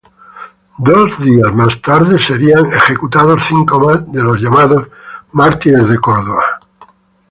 Dos días más tarde serían ejecutados cinco más de los llamados mártires de Córdoba.